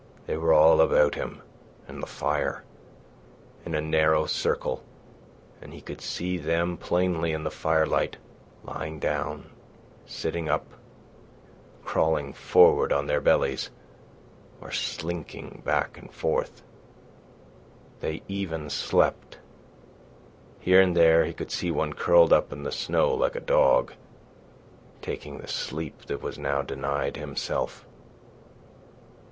They were all about him and the fire, in a narrow circle, and he could see them plainly in the firelight lying down, sitting up, crawling forward on their bellies, or slinking back and forth. They even slept. Here and there he could see one curled up in the snow like a dog, taking the sleep that was now denied himself.